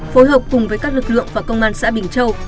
phối hợp cùng với các lực lượng và công an xã bình châu